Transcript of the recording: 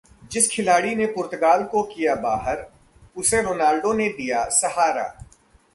जिस खिलाड़ी ने पुर्तगाल को किया बाहर, उसे रोनाल्डो ने दिया सहारा